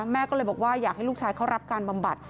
แม่ก็เลยบอกว่าอยากให้ลูกชายเขารับการบำบัด